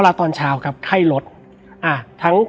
และวันนี้แขกรับเชิญที่จะมาเชิญที่เรา